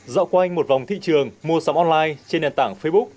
dạo quanh một vòng thị trường mua sắm online trên nền tảng facebook